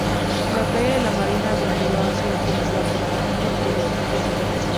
La playa de la Marina a menudo ha sido utilizada por agencias publicitarias internacionales.